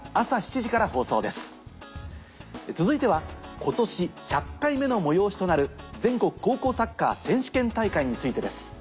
続いては今年１００回目の催しとなる全国高校サッカー選手権大会についてです。